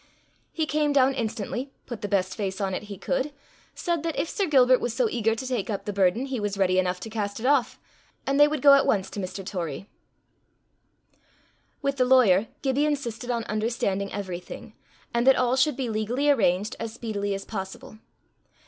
He came down instantly, put the best face on it he could, said that if Sir Gilbert was so eager to take up the burden, he was ready enough to cast it off, and they would go at once to Mr. Torrie. With the lawyer, Gibbie insisted on understanding everything, and that all should be legally arranged as speedily as possible.